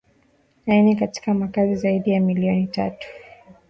ienea katika makazi zaidi ya milioni tatu